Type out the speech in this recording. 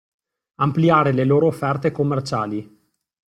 Ampliare le loro offerte commerciali.